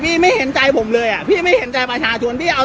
ไม่เห็นใจผมเลยอ่ะพี่ไม่เห็นใจประชาชนพี่เอา